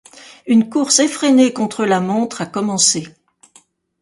Une course effrénée contre la montre a commencé.